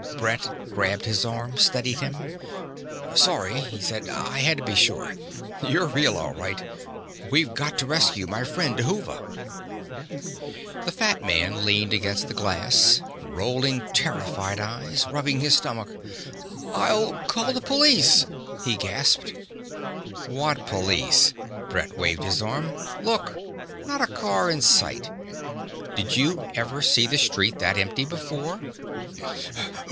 Brett grabbed his arm, steadied him. "Sorry," he said. "I had to be sure. You're real, all right. We've got to rescue my friend, Dhuva " The fat man leaned against the glass, rolling terrified eyes, rubbing his stomach. "I'll call the police!" he gasped. "What police?" Brett waved an arm. "Look. Not a car in sight. Did you ever see the street that empty before?"